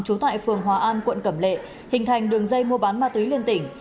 trú tại phường hòa an quận cẩm lệ hình thành đường dây mua bán ma túy liên tỉnh